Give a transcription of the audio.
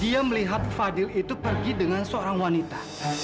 dia melihat fadil itu pergi dengan seorang wanita